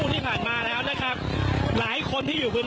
น้องนักเรียน